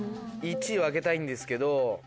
１位を開けたいんですけど。